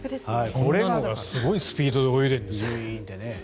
これがすごいスピードで泳いでるんですよね。